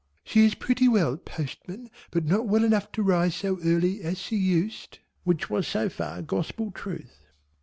"She is pretty well postman, but not well enough to rise so early as she used" which was so far gospel truth.